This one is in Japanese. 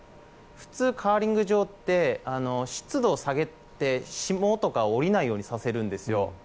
普通、カーリング場って湿度を下げて霜とかが下りないようにさせるんです。